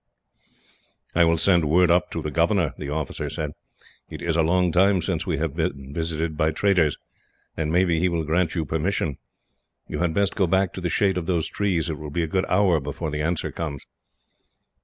"I will send word up to the governor," the officer said. "It is a long time since we have been visited by traders, and maybe he will grant you permission. You had best go back to the shade of those trees. It will be a good hour before the answer comes."